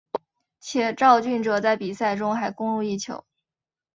且肇俊哲在比赛中还攻入一球。